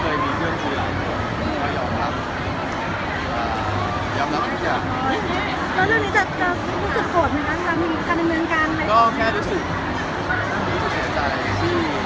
แล้วเรื่องนี้จะรู้สึกโกรธไหมรับผิดขนาดเมืองกัน